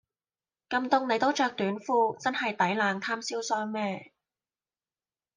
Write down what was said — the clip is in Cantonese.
咁凍你都著短褲真係抵冷貪瀟湘咩